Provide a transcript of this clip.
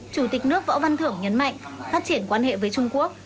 chủ tịch nước võ văn thưởng nhấn mạnh phát triển quan hệ với trung quốc